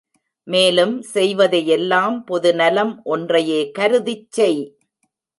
மேலும் செய்வதையெல்லாம் பொதுநலம் ஒன்றையே கருதிச் செய்.